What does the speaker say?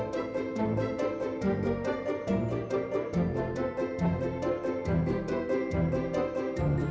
tapi dengan cara apa aku bisa balas kebaikan kamu